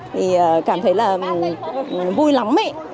thì cảm thấy là vui lắm ấy